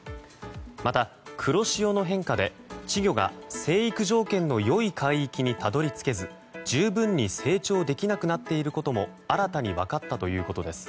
また、黒潮の変化で稚魚が成育条件の良い海域にたどり着けず、十分に成長できなくなっていることも新たに分かったということです。